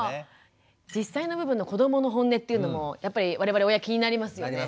実際の部分の子どもの本音っていうのもやっぱり我々親気になりますよね。